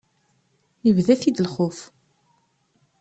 Yebda-t-id lxuf.